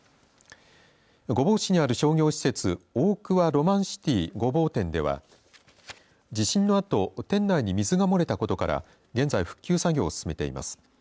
御坊市にある商業施設オークワロマンシティ御坊店では地震のあと店内に水が漏れたことから現在、復旧作業を進めています。